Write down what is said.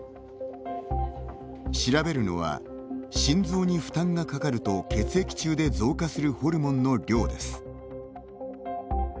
調べるのは心臓に負担がかかると血液中で増加するホルモンの量です。